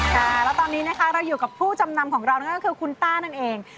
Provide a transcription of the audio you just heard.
ค่ะแล้วตอนนี้นะคะเราอยู่กับผู้จำนำของเรานั่นก็คือคุณต้านั่นเอง